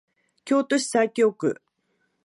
京都市西京区